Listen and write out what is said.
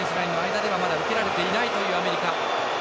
間では受けれていないというアメリカ。